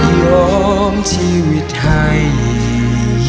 ยอมชีวิตไทย